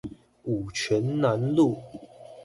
五權南路